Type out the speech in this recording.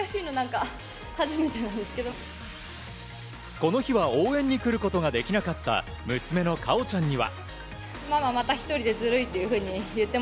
この日は応援に来ることができなかった娘の果緒ちゃんには。